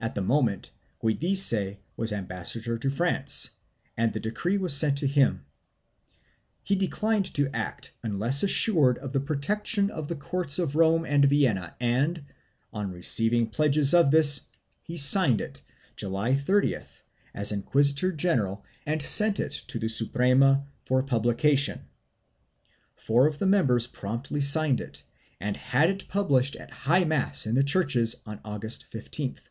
At the moment Giudice was ambassador to France and the decree was sent to him; he declined to act unless assured of the protection of the courts of Rome and Vienna and, on receiving pledges of this, he signed it, July 30th as inquisitor general and sent it to the Suprema for publication. Four of the members promptly signed it and had it published at high mass in the churches on August 15th.